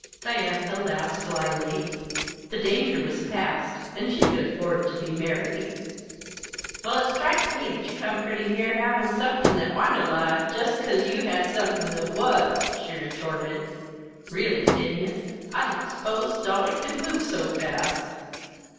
Diantha laughed slyly. The danger was past, and she could afford to be merry. "Well, it strikes me that you come pretty near havin' somethin' that wa'n't alive jest 'cause you had somethin' that was!" she retorted. "Really, Phineas, I didn't s'pose Dolly could move so fast!"